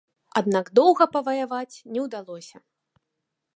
Аднак доўга паваяваць не ўдалося.